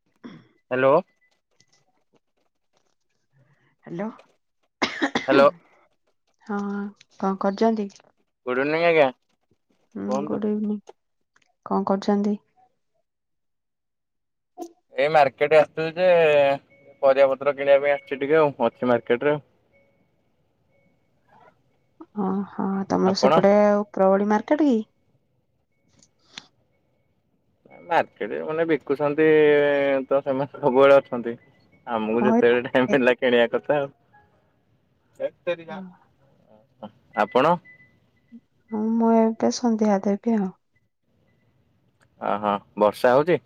[inaudible] Hello. Hello. Hello. ହଁ କଣ କରୁଛନ୍ତି? ଗୁଡ୍ଇଭିନିଂ ଆଜ୍ଞା। ହୁଁ କୁହନ୍ତୁ ଗୁଡ୍ଇଭିନିଂ। କଣ କରୁଛନ୍ତି? ଏ ମାର୍କେଟ ଆସିଥିଲି ଯେ ପରିବା ପତ୍ର କିଣିବା ପାଇଁ ଆସିଛି ଟିକେ ଆଉ। ଅଛି ମାର୍କେଟ ରେ। ଓହୋ ତମର ଆପଣ? ସେପଟେ ଉପରବଳି ମାର୍କେଟ କି? ମାର୍କେଟରେ ମାନେ ବିକୁଛନ୍ତି ତ ସେମାନେ ସବୁବେଳେ ଅଛନ୍ତି। ଆମକୁ ହଁ ଯେତେବେଳେ ଟାଇମ୍ ଏ ମିଳିଲା କିଣିବା କଥା ଆଉ। ଆପଣ ମୁଁ ଏବେ ସନ୍ଧ୍ୟା ଦେବି ଆଉ। ଅ ହଁ। ବର୍ଷା ହଉଚି?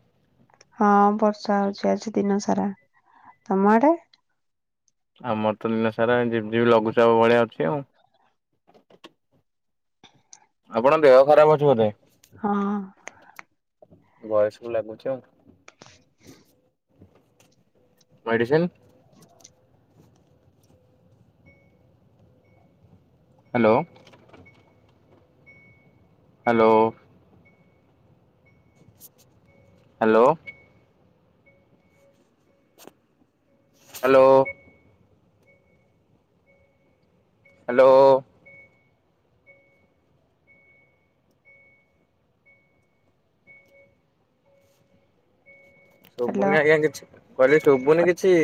ହଁ ବର୍ଷା ହଉଚି ଆଜି ଦିନ ସାରା। ତମ ଆଡେ? ଆମର ତ ଦିନସାରା ଏମିତି ଝିପ୍ ଝିପ୍ ଲଘୁଚାପ ଭଳିଆ ଅଛି ଆଉ। ଆଉ କଣ ଦେହ ଖରାପ ଅଛି ବୋଧେ? ହଁ। ଭଏସ ରୁ ଲାଗୁଛି ଆଉ। Medicine? Hello. Hello. Hello. Hello. Hello. Hello ଶୁଭୁନି ଆଜ୍ଞା କିଛି। କହିଲି ଶୁଭୁନି କିଛି।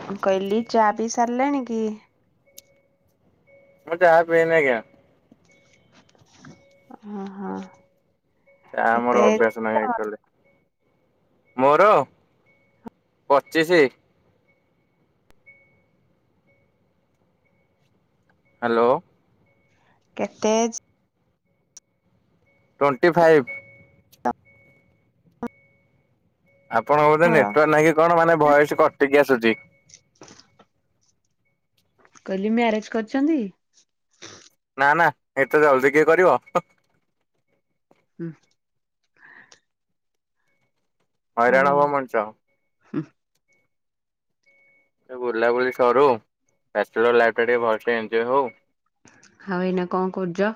ମୁଁ କହିଲି ଚା ପିଇ ସାରିଲେଣି କି? ମୁଁ ଚାହା ପିଏନି ଆଜ୍ଞା। ଅ ହଁ। ଚା କେତେ ଆମର ଅଭ୍ୟାସ ନାହିଁ ଆକ୍ଚୁଆଲି। ମୋର ପଚିଶି। ହ୍ୟାଲୋ। କେତେ ଏଜ୍? Twenty five. ଆପଣଙ୍କ ବୋଧେ ତମର? ନେଟୱାର୍କ ନାହିଁକି କଣ ମାନେ ଭଏସ କଟିକି ଆସୁଚି। କହିଲି ମ୍ୟାରେଜ୍ କରିଛନ୍ତି? ନା ନା ଏତେ ଜଲଦି କିଏ କରିବ। ହୁଁ। ହଉ ହଇରାଣ ହବ ମଣିଷ। ହୁଁ। ବୁଲାବୁଲି ସରୁ। ବ୍ୟାଚଲର ଲାଇଫ ଟା ଟିକେ ଭଲ ସେ ଏଞ୍ଜୟ୍ ହଉ। ଆଉ ଏଇନା କଣ କରୁଚ?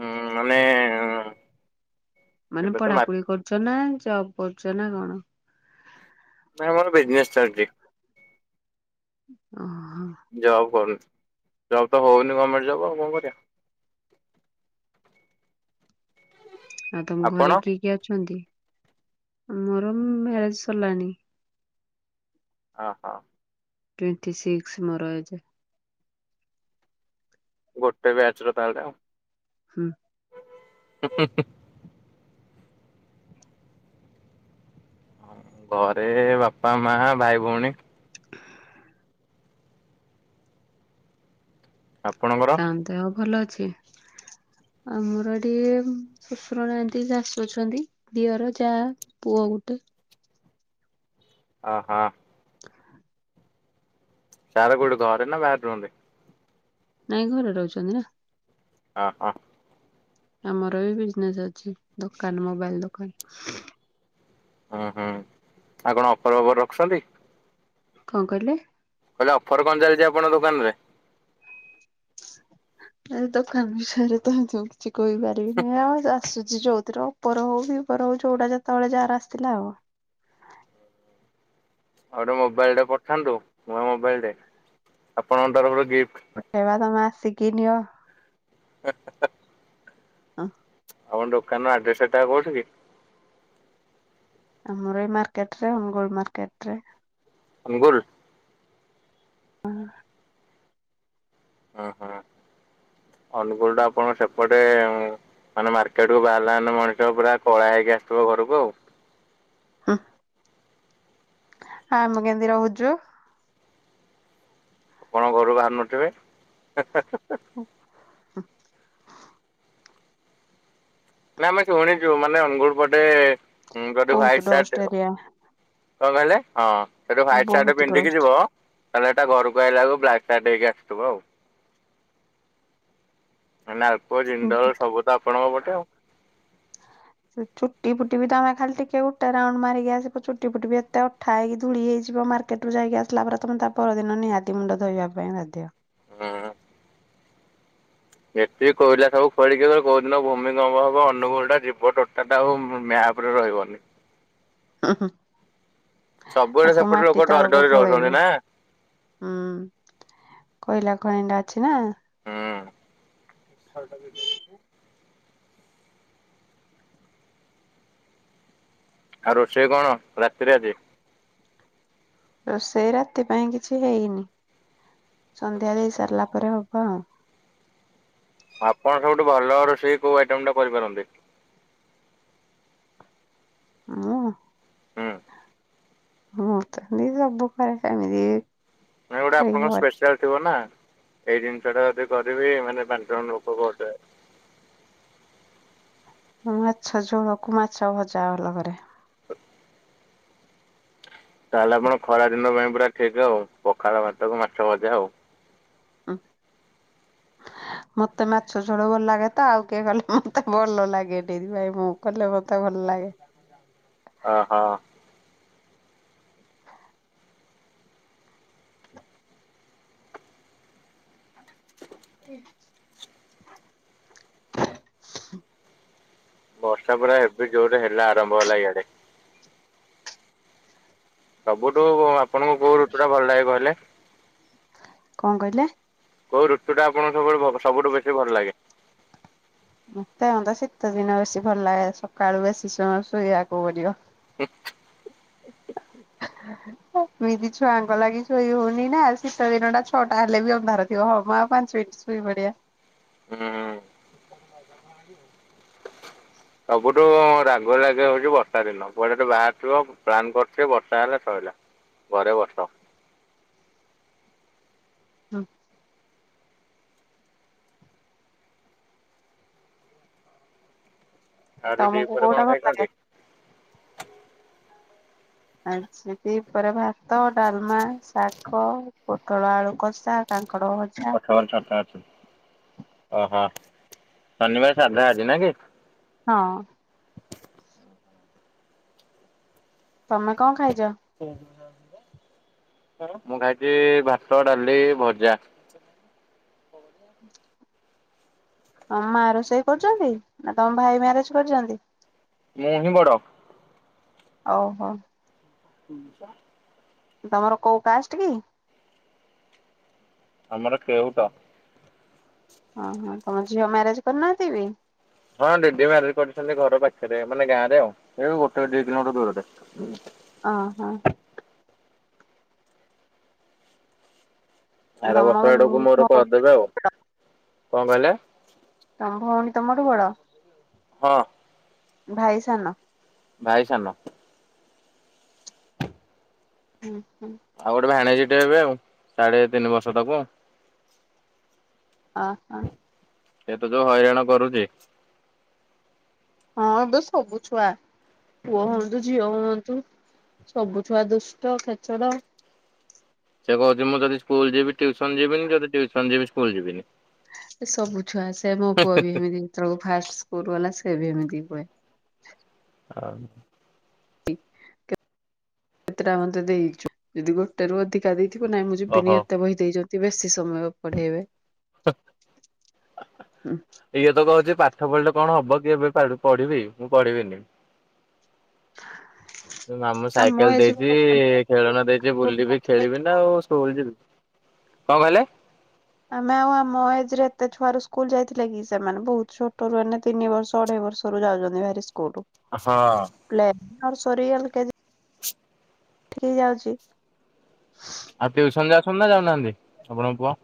ମୁଁ ମାନେ ମାନେ ଏବେ ତ ପଢା ମାର୍କେ ପଢି କରୁଚ ନା ଜବ୍ କରୁଛ ନା କଣ? ନାଇଁ ମୋର ବିଜନେସ୍ ଚାଲିଚି। ଅ ହଁ। ଜବ୍ କରୁନି। ଜବ୍ ତ ହଉନି ଗମେଣ୍ଟ ଜବ୍ ଆଉ କଣ କରିବା। ଆଉ ତମ ଆପଣ ଘରେ କିଏ କିଏ ଅଛନ୍ତି? ମୋର ମ୍ୟାରେଜ୍ ସରିଲାଣି। ଓ ହୋ। ଟ୍ୱେଣ୍ଟି ସିକ୍ସ ମୋର ଏଜ୍। ଗୋଟେ ବ୍ୟାଚ ର ତାହେଲେ ଆଉ। ହୁଁ। ହୁଁ ହୁଁ ହୁଁ। ଘରେ ବାପା, ମା, ଭାଇ, ଭଉଣୀ। [inaudible] ଆପଣଙ୍କର ତାଙ୍କ ଦେହ ଭଲ ଅଛି? ଆମର ଟିକେ ଶ୍ୱଶୁର ନାହାନ୍ତି ଶାଶୁ ଅଛନ୍ତି, ଦିଅର, ଯାଆ। ପୁଅ ଗୋଟେ। ଓହୋ। [inaudible] ସରେ କୋଉଠି ଘରେ ନା ବାହାରେ ରୁଅନ୍ତି? ନାଇଁ ଘରେ ରହୁଛନ୍ତି ନା। ଓ ହଁ। ଆମର ବି ବିଜନେସ୍ ଅଛି ଦୋକାନ ମୋବାଇଲ ଦୋକାନ। ହୁଁ ହୁଁ ଆ କଣ ଅଫର ଫଫର ରଖୁଛନ୍ତି? କଣ କହିଲେ? କହିଲେ ଅଫର କଣ ଚାଲିଛି ଆପଣଙ୍କ ଦୋକାନରେ? ଏ ଦୋକାନ ବିଷୟରେ ତ ଯ କିଛି କହିପାରିବିନି ଆଉ ଆସୁଛି ଯୋଉଥିର। ଉପର ହଉ ବି ଉପର ହଉ ଯୋଉଟା ଯେତେବେଳେ ଯାହାର ଆସିଥିଲା ଆଉ। ଆଉ ଗୋଟେ ମୋବାଇଲଟେ ପଠାନ୍ତୁ ନୂଆ ମୋବାଇଲ ଟେ ଆପଣଙ୍କ ତରଫରୁ ଗିଫ୍ଟ। ପଠେଇବା ତମେ ଆସିକି ନିଅ। [unintelligible] ହ। ଆପଣ ଦୋକାନ ର ଆଡ୍ରେସ ଏ ଟା କହୁଠୁ କି? ଆମର ଏହି ମାର୍କେଟ ରେ ଅନୁଗୁଲ ମାର୍କେଟ ରେ। ଅନୁଗୁଲ? ହଁ। ହୁଁ ହୁଁ ଅନୁଗୁଳ ଟା ଆପଣଙ୍କ ସେପଟେ ଏ ଉଁ। ମାନେ ମାର୍କେଟ କୁ ବାହାରିଲାନେ ମଣିଷ ପୁରା କଳା ହେଇକି ଆସିଥିବ ଘରକୁ ଆଉ। ହୁଁ। ଆମେ କେମିତି ରହୁଛୁ? କଣ ଘରୁ ବାହାରୁ ନଥିବେ? ହେଁ ହେଁ ହେଁ। [inaudible] ନାଇଁ ଆମେ ଶୁଣିଛୁ ମାନେ ଅନୁଗୁଳ ପଟେ ଯଦି ବହୁତ ହାଇଟ୍ ଡଷ୍ଟ ସାର୍ଟ। ଏରିଆ କଣ କହିଲେ? ହଁ ସେଠୁ ହ୍ୱଵାଇଟ୍ ସାର୍ଟ ବହୁତ ପିନ୍ଧିକି ଡଷ୍ଟ। ଯିବ। ତାହେଲେ ଏଟା ଘରକୁ ଆଇଲା ବେଳକୁ ବ୍ଲାକ ସାର୍ଟ ହେଇକି ଆସଥିବ ଆଉ। ନାଲକୋ, ଜିଣ୍ଡଲ ସବୁ ତ ଆପଣଙ୍କ ପଟେ ଆଉ। [inaudible] ଚୁଟି ଫୁଟି ବି ତମେ ଖାଲି ଟିକେ ଗୋଟେ ରାଉଣ୍ଡ ମାରିକି ଆସିବ ଚୁଟି ଫୁଟି ବି ଏତେ ଅଠା ହେଇକି ଧୂଳି ହେଇଯିବ ମାର ସେଠୁ ଯାଇକି ଆସିଲା ପରେ ତମେ ତା ପରଦିନ ନିହାତି ମୁଣ୍ଡ ଧୋଇବା ପାଇଁ ବାଧ୍ୟ। ଉଁ। ଏତିି କହିଲା ସବୁ ଖୋଳିକି କୋଉ ଦିନ ଭୂମି କମ୍ପ ହବ ଅନୁଗୁଳ ଟା ଯିବ ଟୋଟାଲେ ଆଉ ମ୍ୟାପ୍। ରେ ରହିବନି। ଉଁ ହୁଁ ଆ ସବୁବେଳେ ସବୁ ସେପଟେ ଲୋକ ମାଟି ଡରି ତଳକୁ ଡରି ରହୁଛନ୍ତି ପଳେଇବୁ। ନା। ହୁଁ କୋଇଲା ଖଣିଟା ଅଛି ନା। ହୁଁ [inaudible] ଆଉ ରୋଷେଇ କଣ ରାତିରେ ଆଜି? ରୋଷେଇ ରାତି ପାଇଁ କିଛି ହେଇନି ସନ୍ଧ୍ୟା ଦେଇ ସାରିଲା ପରେ ହବ ଆଉ। ଆପଣ ସବୁଠୁ ଭଲ ରୋଷେଇ କୋଉ ଆଇଟମ ଟା କରିପାରନ୍ତି? ମୁଁ। ହୁଁ। ମୁଁ ତ ସେମିତି ସବୁ କରେ ସେମିତି। ନାଇ ଗୋଟେ ଆପଣଙ୍କ କହିହବନି। ସ୍ପେଶାଲ ଥିବ ନା। ଏଇ ଜିନିଷ ଟା ଯଦି କରିବି ମାନେ ପାଞ୍ଚ ଜଣ ଲୋକ କହୁଥି ମୁଁ ମାଛ ଝୋଳକୁ ମାଛ ଭଜା ଭଲ କରେ। ହ ତାହେଲେ ଆପଣ ଖରା ଦିନ ପାଇଁ ପୁରା ଠିକ ଆଉ ପଖାଳ ଭାତକୁ ମାଛ ଭଜା ଆଉ। ଉଁ। ମତେ ମାଛ ଝୋଳ ଭଲ ଲାଗେ ତ ଆଉ କିଏ କଲେ ମତେ ଭଲ ଲାଗେନି ସେଥିପାଇଁ ମୁଁ। କଲେ ମତେ ଭଲ ଲାଗେ। ଓହୋ। [inaudible] ବର୍ଷା ପୁରା ଏବେ ଯୋରେ ହେଲା ଆରମ୍ଭ ହେଲା ଇଆଡେ। ସବୁଠୁ ଆପଣଙ୍କୁ କୋଉ ଋତୁ ଟା ଭଲ ଲାଗେ କହିଲେ? କଣ କହିଲେ? କୋଉ ଋତୁ ଟା ଆପଣଙ୍କୁ ସବୁଠୁ ବ ସବୁଠୁ ବେଶି ଭଲ ଲାଗେ? ମତେ [unintelligible] ଶୀତ ଦିନ ବେଶୀ ଭଲ ଲାଗେ ସକାଳୁ ବେଶୀ ସମୟ ଶୋଇବାକୁ ପଡିବ। [inaudible] ଏମିତି ଛୁଆଙ୍କ ଲାଗି ଶୋଇ ହଉନି ନା ଶୀତ ଦିନ ଟା ଛଅଟା ହେଲେ ବି ଅନ୍ଧାର ଥିବ ହଁ ମ ଆଉ ପାଞ୍ଚ ମିନିଟ ଶୁ ତାକୁ ବି ବଢିଆ। ହୁଁ। ସବୁଠୁ ରାଗ ଲାଗେ ହଉଛି ବର୍ଷା ଦିନ କୁଆଡେ ଗୋଟେ ବାହାରିଥିବ ପ୍ଲାନ କରିଥିବ ବର୍ଷା ହେଲା ସଇଲା। ଘରେ ବସ। ହୁଁ। ଆହୁରି ତମକୁ ଦିପହରେ କଣ କୋଉଟା ଭଲ ଖାଇଛନ୍ତି? ଲାଗେ? ଆଜି ଦି ପହରେ ଭାତ, ଡାଲମା, ଶାଗ। ପୋଟଳ ଆଳୁ କଷା, କାଙ୍କଡ଼ ଭ ଟର୍ଚ୍ଚ ଟର୍ଚ୍ଚ ଓହୋ ଶନିବାର ସାଧା ଆଜି ନା କି। ହଁ। ତମେ କଣ ଖାଇଛ? ମୁଁ ଖାଇଛି ଭାତ, ଡାଲି, ଭଜା। [inaudible] ହଁ ମା ରୋଷେଇ କରୁଛନ୍ତି ନା ତମ ଭାଇ ମ୍ୟାରେଜ କରିଛନ୍ତି? ମୁଁ ହିଁ ବଡ। ଓହୋ। [inaudible] ତମର କୋଉ କାଷ୍ଟ କି? ଆମର କେଉଟ। ଓହୋ ତମ ଝିଅ ମ୍ୟାରେଜ କରିନାହାନ୍ତି ବି? ହଁ ଦିଦି ମାରି କରିଛନ୍ତି ଘର ପାଖରେ ମାନେ ଗାଁ ରେ ଆଉ ଏଇଠୁ ଗୋଟେ ଦି କିଲୋମିଟର ଦୂରରେ। ଅ ହ। ତମ ଆର ବର୍ଷ ଭଉଣୀ ଆଡକୁ ମୋର କରିଦେବେ ଆଉ। କଣ କହିଲେ? ତମ ଭଉଣୀ ତମଠୁ ବଡ। ହଁ। ଭାଇ ସାନ। ଭାଇ ସାନ। ହୁଁ ହୁଁ। ଆଉ ଗୋଟେ ଭାଣେଜିଟେ ଏବେ ଆଉ ସାଢେ ତିନି ବର୍ଷ ତାକୁ ଆଉ। ଓ ହୋ। ସେ ତ ଯୋଉ ହଇରାଣ କରୁଛି ହଁ ତ ସବୁ ଛୁଆ ପୁଅ ହୁଅନ୍ତୁ। ଝିଅ ହୁଅନ୍ତୁ ସବୁ ଛୁଆ ଦୁଷ୍ଟ ଖେଚଡ। ସେ କହୁଛି ମୁଁ ଯଦି ସ୍କୁଲ ଯିବି ଟିୟୁସନ ଯିବିନି ଯଦି ଟି ୟୁସନ ଯିବି ସ୍କୁଲ ଯିବିନି। ସେ ସବୁ ଛୁଆ ସେ ମୋ ପୁଅ ବି ଏମିତି ସେତେବେଳକୁ ଫାଷ୍ଟ ସ୍କୁଲ ଗଲା ସେ ବି ଏମିତି ହୁଏ। ଆଉ କେତେଟା ମତେ ଦେଇଛୁ ଯଦି ଗୋଟେ ରୁ ଅଧିକା ଦେଇ ଥିବୁ ନାଇଁ ମୁଁ ଯିବିନି ଓହୋ ଏତେ ବହି ଦେଇଛନ୍ତି ବେଶୀ ସମୟ ପଢେଇବେ। ହୁଁ। ଇଏ ତ କହୁଛି ପାଠ ପଢ଼ିଲେ କଣ ହବ କିଏ ଏବେ ପାରୁ ପଢିବି ମୁଁ ପଢିବିନି। ମାମୁଁ ଆମ ସାଇକେଲ ଦେଇଛି ଖେଳଣା ଦେଇଛି ବୁଲିବି। ଏଜ୍ ଖେଳିବି ନା ଆଉ ସ୍କୁଲ୍ ଯିବି କଣ କହିଲେ? ଆମେ ଆଉ ଆମ ଏଜ ରେ ଏତେ ଛୁଆ ର ସ୍କୁଲ ଯାଇଥିଲେ କି ସେମାନେ ବହୁତ ଛୋଟରୁ ଏଇନେ ତିନି ବର୍ଷ ଅଢେଇ ବର୍ଷ। ରୁ ଯାଉଛନ୍ତି ହେରି ସ୍କୁଲ। ହଁ। ଲ ସରି ଆଲ କେ ଠିକ ଯାଉଛି। ଆଉ ଟ୍ୟୁସନ ଯାଉଛନ୍ତି ନା ଯାଉନାହାନ୍ତି ଆପଣଙ୍କ ପୁଅ?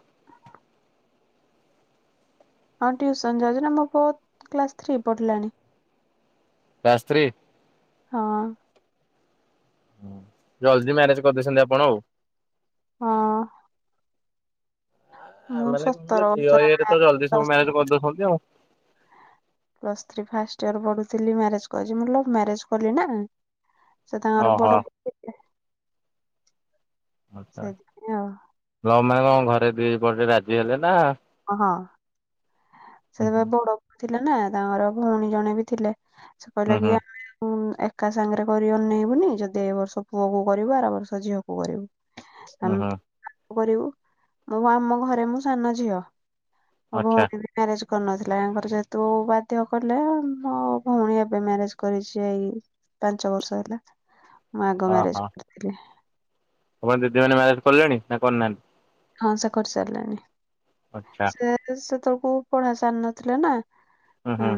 ହଁ ଟିଉସନ ଯାଉଛି ନା ମୋ ପୁଅ କ୍ଲାସ ଥ୍ରୀ ପଢିଲାଣି। Class three? ହଁ। ହଁ ଜଲଦି ମ୍ୟାରେଜ କରିଦେଇଛନ୍ତି ଆପଣ ଆଉ। ହଁ। ମୁଁ ମାନେ କଣ କହିଲେ ସତର ଝିଅ ବର୍ଷର ଇଏରେ ତ ଜଲ୍ଦି ସବୁ ବୟସ। ମ୍ୟାରେଜ କରିଦଉଛନ୍ତି ଆଉ ପ୍ଲସ୍ ଥ୍ରୀ ଫାଷ୍ଟ ଇୟର ପଢୁଥିଲି ମ୍ୟାରେଜ୍ କଲି ମୁଁ ଲଭ ମ୍ୟାରେଜ କଲି ନା। ସେ ତାଙ୍କର ଓହୋ ବଡ ସେଥିପାଇଁ ଆଉ। ଲଭ ମାନେ କଣ ଘରେ ଦି ପଟେ ରାଜି ହେଲେ ନା ଓ ହୋ। ହୁଁ ସେତେବେଳେ ବଡ ପୁଅ ଥିଲେ ନା ତାଙ୍କର ଭଉଣୀ ଜଣେ ବି ଥିଲେ ସେ କହିଲା ହୁଁ କି ହୁଁ ଆମେ ଉଁ ଏକା ସାଙ୍ଗରେ କରି ଅନେଇବୁନି ଯଦି ଏ ବର୍ଷ ପୁଅ କ କରିବୁ ଆର ବର୍ଷ ଝିଅକୁୁ କରିବୁ। ହୁଁ ହୁଁ ଆମେ ହୁଁ କରିବୁ ମୁଁ ଆମ ଘରେ ମୁଁ ସାନ ଝିଅ। ମୋ ଆଚ୍ଛା ଭଉଣୀ ବି ମ୍ୟାରେଜ କରିନଥିଲା ତାଙ୍କର ଯେହେତୁ ବାଧ୍ୟ କଲେ ଆ ଭଉଣୀ ଏବେ ମ୍ୟାରେଜ କରିଛି ଏଇ ପାଞ୍ଚ ବର୍ଷ ହେଲା ମୁଁ ଆଗ ମ୍ୟାରେଜ ଓହୋ କରିଥିଲି। ଆପଣ ଦିଦି ମାନ ମ୍ୟାରେଛ କଲେଣି ନା କରିନାହାନ୍ତି? ହଁ ସେ କରି ସାରିଲେଣି ଆଚ୍ଛା ସେ ସେତେବେଳକୁ ପଢା ସାରି ନଥିଲେ ନା ହୁଁ ହୁଁ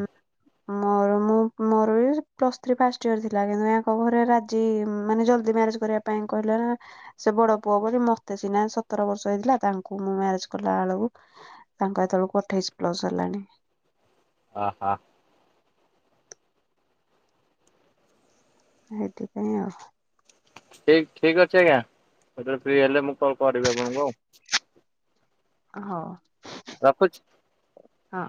ମୋର ମୁଁ ମୋର ବି ପ୍ଲସ୍ ଥ୍ରୀ ଫାଷ୍ଟ ଇୟର ଥିଲା କିନ୍ତୁ ୟାଙ୍କ ଘରେ ରାଜି ମାନେ ଜଲଦି ମ୍ୟାରେଜ କରିବା ପାଇଁ କହିଲେ ସେ ବଡ ପୁଅ ବୋଲି ମତେ ସିନା ସ ସତର ବର୍ଷ ହେଇଥିଲା ତାଙ୍କୁ ମୁଁ ମ୍ୟାରେଜ କଲା ବେଳକୁ ତାଙ୍କ ହେତଳକୁ ଅଠେଇଶ ପ୍ଲସ ହେଲାଣି। ଅ ହୋ। ସେଇଥିପାଇଁ ଆଉ। ଠିକ, ଠିକ ଅଛି ଆଜ୍ଞା ଯେତେବେଳେ ଫ୍ରି ହେଲେ ମୁଁ କଲ କରିବି ଆପଣଙ୍କୁ ଆଉ। ହଉ। ରଖୁଛି। ହଁ।